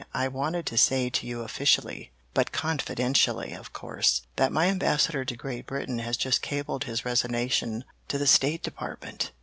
I wanted to say to you officially, but confidentially, of course, that my Ambassador to Great Britain has just cabled his resignation to the State Department.